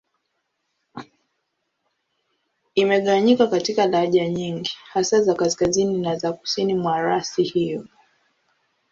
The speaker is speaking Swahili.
Imegawanyika katika lahaja nyingi, hasa za Kaskazini na za Kusini mwa rasi hiyo.